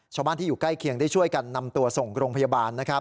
ชาวบ้านที่อยู่ใกล้เคียงได้ช่วยกันนำตัวส่งโรงพยาบาลนะครับ